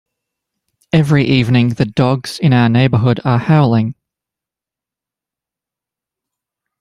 Every evening, the dogs in our neighbourhood are howling.